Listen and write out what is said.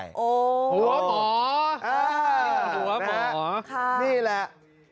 โอ้โฮหัวหมอหัวหมอค่ะนี่แหละ